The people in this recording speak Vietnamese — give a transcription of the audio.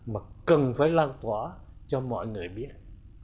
mà cần phải lan tỏa cho mọi người biết